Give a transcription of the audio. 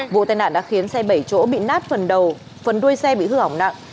vụ tai nạn đã khiến xe bảy chỗ bị nát phần đầu phần đuôi xe bị hư hỏng nặng